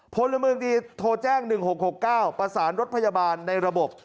พลเมืองดีโทรแจ้ง๑๖๖๙ประสานรถพยาบาลในระบบ